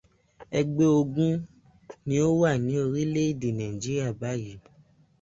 Ẹgbẹ́ ogún ni ó wà ní orílẹ̀-èdè Nàíjíríà báyìí.